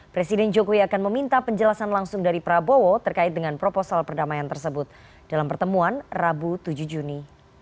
presiden jokowi akan meminta penjelasan langsung dari prabowo terkait dengan proposal perdamaian tersebut dalam pertemuan rabu tujuh juni